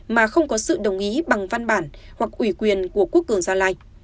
mà không có sự đồng ý bằng văn bản hoặc ủy quyền của quốc cường gia lai